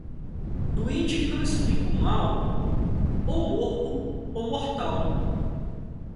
Doente que não explica o mal, ou morto ou mortal.